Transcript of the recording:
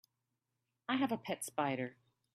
I have a pet spider.